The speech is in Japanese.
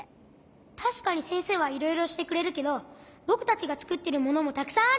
たしかにせんせいはいろいろしてくれるけどぼくたちがつくってるものもたくさんあるんだよ。